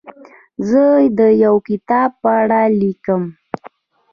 زه د یو کتاب په اړه لیکم.